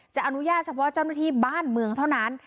อนุญาตเฉพาะเจ้าหน้าที่บ้านเมืองเท่านั้น